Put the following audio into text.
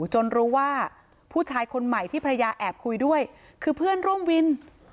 จนรู้ว่าผู้ชายคนใหม่ที่ภรรยาแอบคุยด้วยคือเพื่อนร่วมวิน